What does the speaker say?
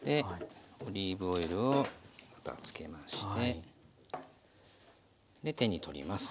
オリーブ油をまた付けましてで手に取ります。